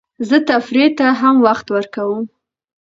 زه تفریح ته هم وخت ورکوم.